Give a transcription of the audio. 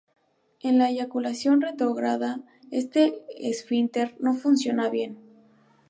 En la eyaculación retrógrada este esfínter no funciona bien.